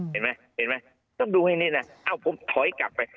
เห็นไหมต้องดูให้นี่นะผมถอยกลับไป